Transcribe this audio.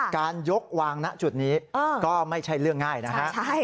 การยกวางณจุดนี้ก็ไม่ใช่เรื่องง่ายนะฮะ